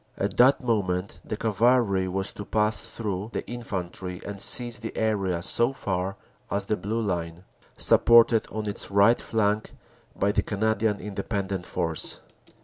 At that moment the cavalry was to pass through the infantry and seize the area so far as the Blue Line, supported on its right flank by the Canadian Independent Force.